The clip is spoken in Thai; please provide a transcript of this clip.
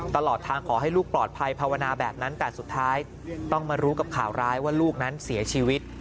ตลอดทางขอให้ลูกปลอดภัยภาวนาแบบนั้นแต่สุดท้ายต้องมารู้กับข่าวร้ายว่าลูกนั้นเสียชีวิต